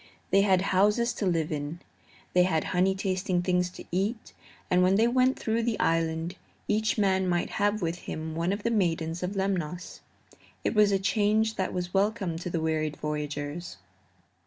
They had houses to live in; they had honey tasting things to eat, and when they went through the island each man might have with him one of the maidens of Lemnos. It was a change that was welcome to the wearied voyagers.